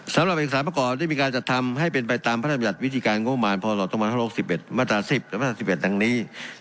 สำหรับอีก๓ประกอบที่มีการจัดทำให้เป็นไปตามพระราชบิจัตรวิธีการงบมันภศ๒๐๖๑มศ๑๐มศ๑๑ดังนี้